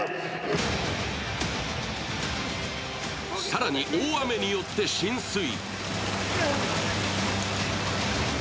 更に、大雨によって浸水。